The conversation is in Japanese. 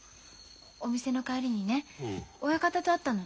お店の帰りにね親方と会ったの。